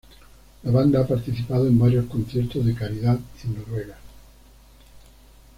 La banda ha participado en varios conciertos de caridad en Noruega.